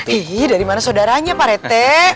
hii dari mana saudaranya pak rt